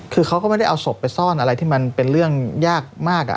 คือเขาก็ไม่ได้เอาศพไปซ่อนอะไรที่มันเป็นเรื่องยากมาก